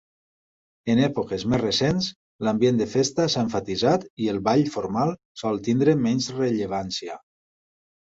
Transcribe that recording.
En èpoques més recents, l'ambient de festa s'ha emfatitzat i el ball formal sol tenir menys rellevància.